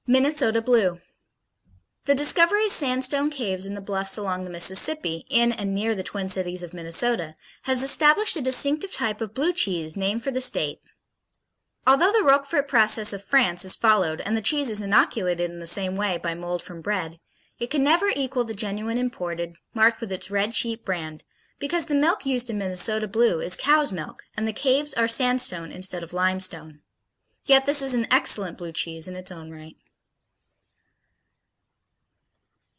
Minnesota Blue The discovery of sandstone caves in the bluffs along the Mississippi, in and near the Twin Cities of Minnesota, has established a distinctive type of Blue cheese named for the state. Although the Roquefort process of France is followed and the cheese is inoculated in the same way by mold from bread, it can never equal the genuine imported, marked with its red sheep brand, because the milk used in Minnesota Blue is cow's milk, and the caves are sandstone instead of limestone. Yet this is an excellent, Blue cheese in its own right.